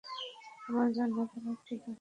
আমার জন্য দাঁড়াও, ঠিক আছে?